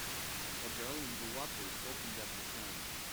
A girl in the water soaking up the sun